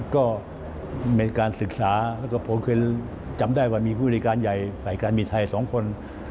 ก็เป็นการศึกษาแล้วก็ผมเคยจำได้ว่ามีผู้บริการใหญ่ฝ่ายการบินไทย๒คน